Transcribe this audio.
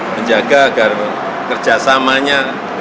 menjaga agar kerjasamanya